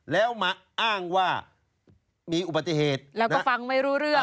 แล้วมาอ้างว่ามีอุบัติเหตุแล้วก็ฟังไม่รู้เรื่อง